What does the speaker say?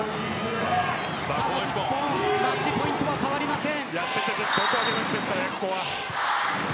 マッチポイントは変わりません。